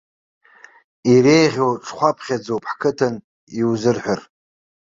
Иреиӷьу ҽхәаԥхьыӡуп ҳқыҭан иузырҳәар.